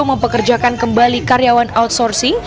mempekerjakan kembali karyawan outsourcing